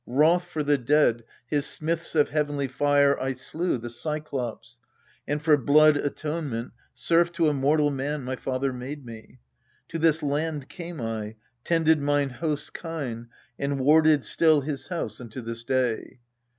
Wroth for the dead, his smiths of heavenly fire I slew, the Cyclopes ; and, for blood atonement, Serf to a mortal man my father made me. To this land came I, tended mine host's kine, And warded still his house unto this day.